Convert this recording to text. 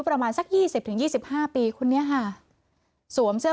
ประมาณสักยี่สิบถึงยี่สิบห้ามันคุณเนี้ยค่ะสวมเสื้อ